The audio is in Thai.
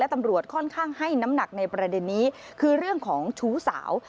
ตำรวจค่อนข้างให้น้ำหนักในประเด็นนี้คือเรื่องของชู้สาว